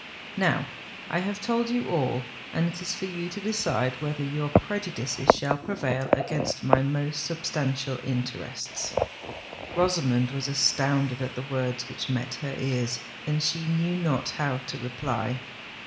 Now I have told you all—and it is for you to decide whether your prejudices shall prevail against my most substantial interests." Rosamond was astounded at the words which met her ears; and she knew not how to reply.